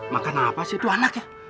makan apaan sih itu anaknya